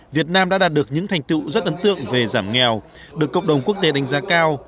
việt nam đã đạt được những thành tựu rất ấn tượng về giảm nghèo được cộng đồng quốc tế đánh giá cao